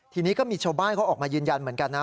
ทีนี้ก็มีชาวบ้านเขาออกมายืนยันเหมือนกันนะ